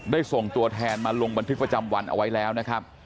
ส่งตัวแทนมาลงบันทึกประจำวันเอาไว้แล้วนะครับ